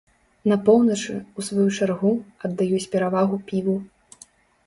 На поўначы, у сваю чаргу, аддаюць перавагу піву.